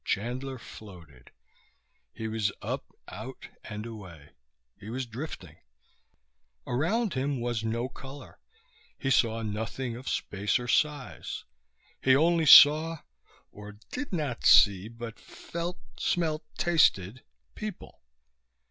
Chandler floated. He was up, out and away. He was drifting. Around him was no color. He saw nothing of space or size, he only saw, or did not see but felt smelled tasted, people.